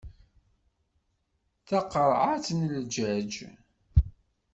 D taqerɛet n jjaj.